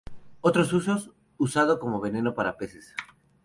Otros usos: Usado como veneno para peces.